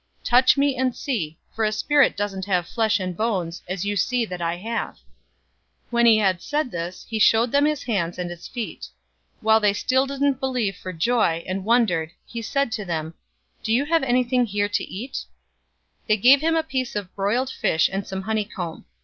Touch me and see, for a spirit doesn't have flesh and bones, as you see that I have." 024:040 When he had said this, he showed them his hands and his feet. 024:041 While they still didn't believe for joy, and wondered, he said to them, "Do you have anything here to eat?" 024:042 They gave him a piece of a broiled fish and some honeycomb.